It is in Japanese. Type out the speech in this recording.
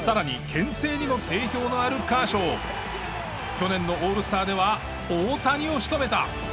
去年のオールスターでは大谷を仕留めた。